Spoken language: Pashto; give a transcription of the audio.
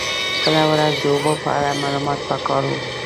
بله ورځ د اوبو په اړه معلومات په کار و.